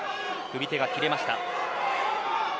組み手が切れました。